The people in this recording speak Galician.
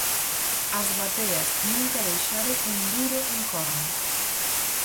As bateas nunca deixaron un duro en Corme.